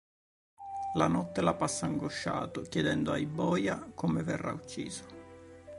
La notte la passa angosciato, chiedendo ai boia come verrà ucciso.